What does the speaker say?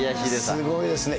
すごいですね。